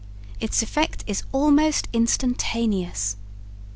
Its effect is almost instantaneous.